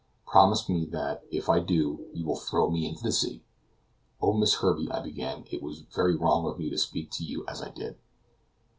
Promise me that, if I do, you will throw me into the sea!" "Oh, Miss Herbey," I began, "it was very wrong of me to speak to you as I did!"